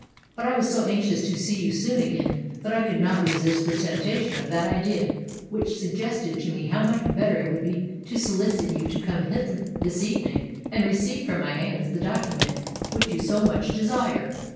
But I was so anxious to see you soon again, that I could not resist the temptation of that idea which suggested to me how much better it would be to solicit you to come hither this evening and receive from my hands the document which you so much desire.